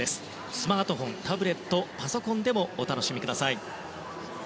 スマートフォン、タブレットパソコンでもお楽しみください。